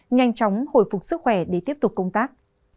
nhanh chóng hồi phục sức khỏe để tiếp tục công tác